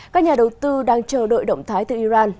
các nhà đầu tư đang chờ đợi động thái từ iran